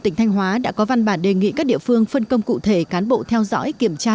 tỉnh thanh hóa đã có văn bản đề nghị các địa phương phân công cụ thể cán bộ theo dõi kiểm tra